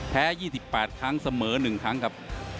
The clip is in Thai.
๒๘ครั้งเสมอ๑ครั้งครับ